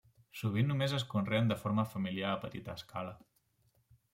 Sovint només es conreen de forma familiar a petita escala.